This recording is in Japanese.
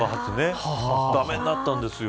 駄目になったんですよ。